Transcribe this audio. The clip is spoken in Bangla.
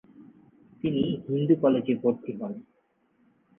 তিনি হিন্দু কলেজে ভর্তি হন।